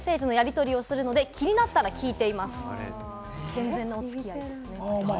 健全なお付き合いですね。